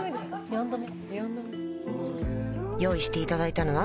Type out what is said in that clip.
４度目用意していただいたのは